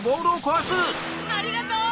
ありがとう！